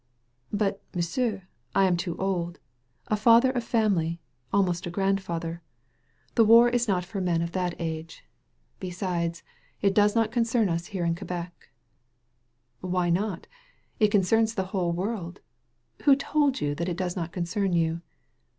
*' "But, M'sieu*, I am too old. A father of family — ^almost a grandfather — the war is not for men 168 SKETCHES OP QUEBEC of that age. Besides^ it does not concern us here in Quebec." "Why not? It concerns the whole world. Who told you that it does not concern you?"